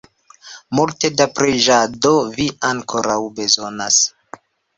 Multe da preĝado vi ankoraŭ bezonas!